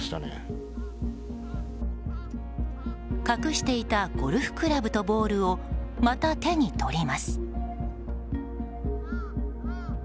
隠していたゴルフクラブとボールをまた手に取ります。